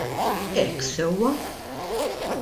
Hekk sewwa!